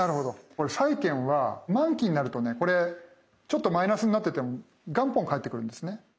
これ債券は満期になるとねこれちょっとマイナスになってても元本返ってくるんですね。